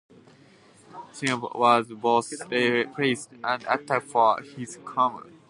Signorile was both praised and attacked for his column.